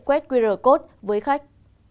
quét qr code với khách